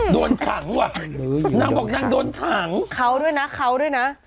โดนถังว่ะนางบอกนางโดนถังเขาด้วยนะเขาด้วยนะ